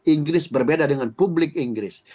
inggris berbeda dengan publik inggris